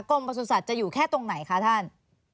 ประสุทธิ์จะอยู่แค่ตรงไหนคะท่าน